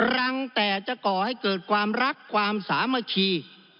รังแต่จะก่อให้เกิดความรักความสามัคคี